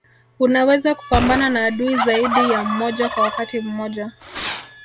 Unaweza kupambana na adui zaidi ya mmoja kwa wakati mmoja